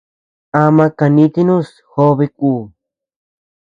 Ama kanitinus jobeku.